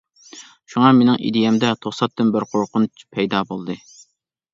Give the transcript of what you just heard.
شۇڭا مېنىڭ ئىدىيەمدە توساتتىن بىر قورقۇنچ پەيدا بولدى.